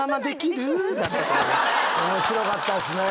面白かったっすね。